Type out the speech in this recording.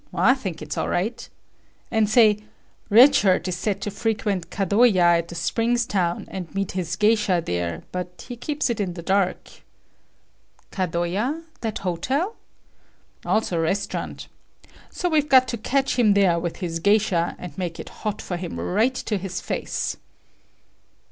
I think it's all right. And, say, Red Shirt is said to frequent Kadoya at the springs town and meet his geisha there, but he keeps it in dark." "Kadoya? That hotel?" "Also a restaurant. So we've got to catch him there with his geisha and make it hot for him right to his face."